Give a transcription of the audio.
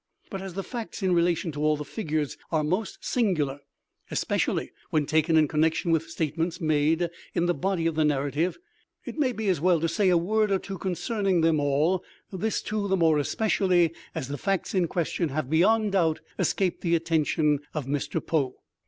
But as the facts in relation to all the figures are most singular (especially when taken in connection with statements made in the body of the narrative), it may be as well to say a word or two concerning them all—this, too, the more especially as the facts in question have, beyond doubt, escaped the attention of Mr. Poe.